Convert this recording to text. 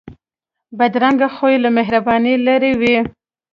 بدرنګه خوی له مهربانۍ لرې وي